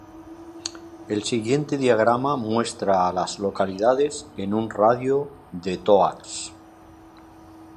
El siguiente diagrama muestra a las localidades en un radio de de Toast.